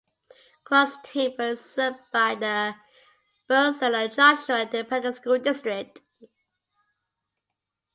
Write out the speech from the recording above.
Cross Timber is served by the Burleson and Joshua Independent School Districts.